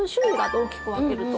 大きく分けると。